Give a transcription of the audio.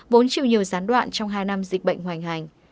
vốn chịu nhiều gián đoạn trong hai năm dịch bệnh hoành hành